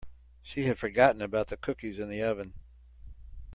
She had forgotten about the cookies in the oven.